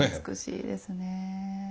美しいですね。